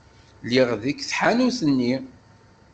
Lliɣ deg tḥanut-nni.